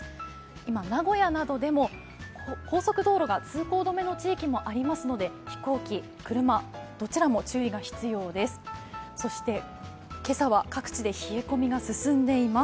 今、名古屋などでも高速道路が通行止めの地域もありますので飛行機、車、どちらも注意が必要です。